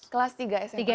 kelas tiga sma